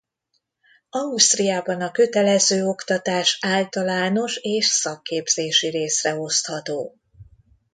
Ausztriában a kötelező oktatás általános és szakképzési részre osztható.